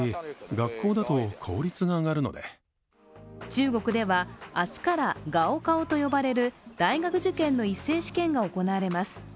中国では明日から高考と呼ばれる大学受験の一斉試験が行われます。